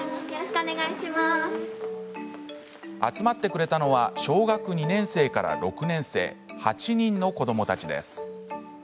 集まってくれたのは小学２年生から６年生８人の子どもたちです。